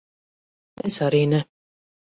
Es arī ne.